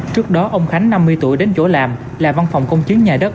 trước đó ông khánh năm mươi tuổi đến chỗ làm là văn phòng công chứng nhà đất